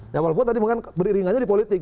ya walaupun tadi mungkin beriringannya di politik